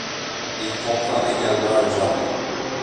Il comprend également un jardin.